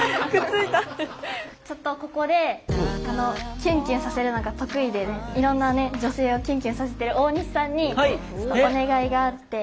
ちょっとここでキュンキュンさせるのが得意でいろんな女性をキュンキュンさせてる大西さんにちょっとお願いがあって。